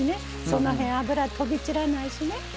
その辺、油が飛び散らないし。